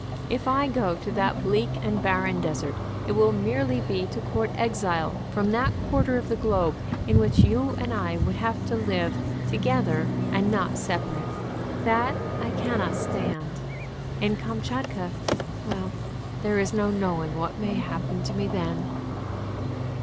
If I go to that bleak and barren desert, it will merely be to court exile from that quarter of the globe in which you and I would have to live together and not separate. That I cannot stand. In Kamtchatka Well, there is no knowing what may happen to me then."